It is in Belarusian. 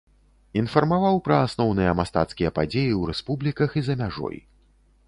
Інфармаваў пра асноўныя мастацкія падзеі ў рэспубліках і за мяжой.